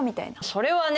それはね